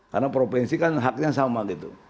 karena provinsi kan haknya sama gitu